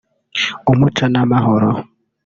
umuco n’amahoro